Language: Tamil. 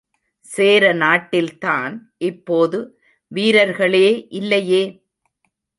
சேர நாட்டில்தான் இப்போது வீரர்களே இல்லையே?